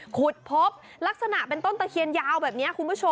ขุดพบลักษณะเป็นต้นตะเคียนยาวแบบนี้คุณผู้ชม